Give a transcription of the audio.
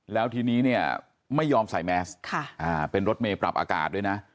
แล้วทีนี้เนี่ยไม่ยอมใส่แมสเป็นรถเมย์ปรับอากาศด้วยนะ